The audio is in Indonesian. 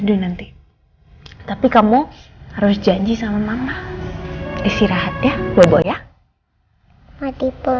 mungkin karena mama senang ketemu sama kamu